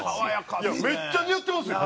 めっちゃ似合ってますよ。